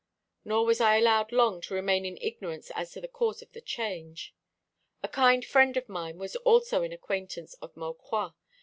Nor was I allowed long to remain in ignorance as to the cause of the change. A kind friend of mine was also an acquaintance of Maucroix.